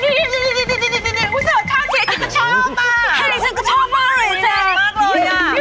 นี่พอเสริมว่าท่าเศรษฐก็ชอบอะเสร็จจริงก็ชอบมากเลยอ่ะ